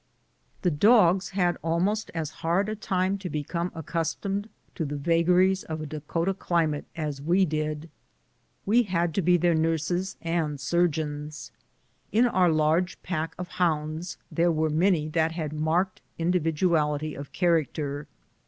The dogs had almost as hard a time to become accus tomed to the vagaries of a Dakota climate as we did. We had to be their nurses and surgeons. In our large pack of hounds there were many that had marked indi viduality of character.